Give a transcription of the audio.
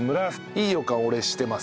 いい予感俺してます。